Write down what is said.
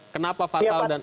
kenapa fatal dan